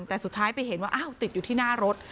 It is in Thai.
แต่สุดท้ายไปเห็นว่าอ้าวติดอยู่ที่หน้ารถ